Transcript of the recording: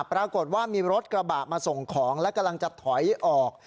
ปรากฏว่ามีรถกระบะมาส่งของและกำลังจะถอยออก